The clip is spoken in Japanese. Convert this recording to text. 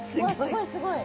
すごいすごい。